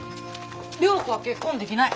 良子は結婚できない。